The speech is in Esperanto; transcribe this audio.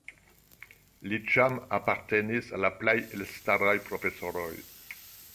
Li ĉiam apartenis al la plej elstaraj profesoroj.